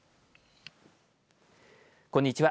こんにちは。